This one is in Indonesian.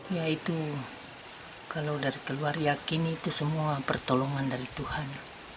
ya itu kalau dari keluar yakin itu semua pertolongan dari tuhan